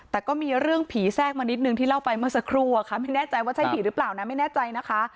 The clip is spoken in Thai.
แต่ก็มีเรื่องผีแทรกมานิดนึงที่เล่าไปเมื่อสักครู่อะค่ะไม่แน่ใจว่าใช่ผีหรือเปล่านะไม่แน่ใจนะคะ